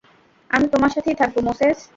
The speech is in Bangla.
আমি তোমার সাথেই থাকব, মোসেস।